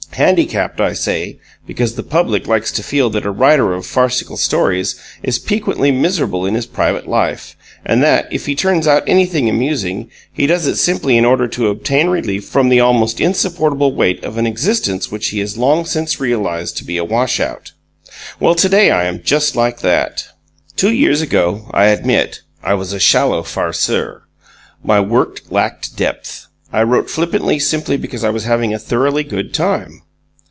Handicapped, I say, because the public likes to feel that a writer of farcical stories is piquantly miserable in his private life, and that, if he turns out anything amusing, he does it simply in order to obtain relief from the almost insupportable weight of an existence which he has long since realized to be a wash out. Well, today I am just like that. Two years ago, I admit, I was a shallow farceur. My work lacked depth. I wrote flippantly simply because I was having a thoroughly good time.